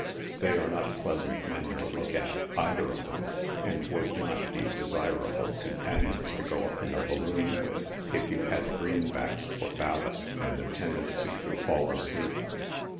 They are not pleas ant men to look at, either of them, and would not be desirable com panions to go up in a balloon with, if you had greenbacks for bal last and a tendency to fall asleep.